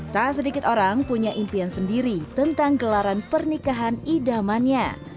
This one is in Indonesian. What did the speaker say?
tak sedikit orang punya impian sendiri tentang gelaran pernikahan idamannya